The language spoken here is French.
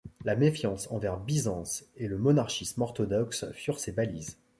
La méfiance envers Byzance et le monachisme orthodoxe furent ses balises.